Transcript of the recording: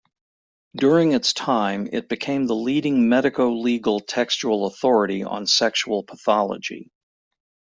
During its time, it became the leading medico-legal textual authority on sexual pathology.